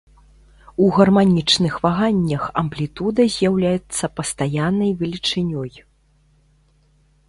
У гарманічных ваганнях амплітуда з'яўляецца пастаяннай велічынёй.